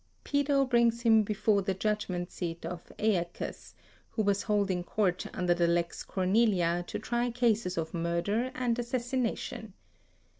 Pedo brings him before the judgement seat of 14 Aeacus, who was holding court under the Lex Cornelia to try cases of murder and assassination.